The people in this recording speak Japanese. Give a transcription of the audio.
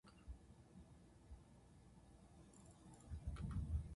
小声で親しげに話しあうさま。男女がむつまじげに語りあうさま。